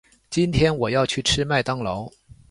今天我要去吃麦当劳。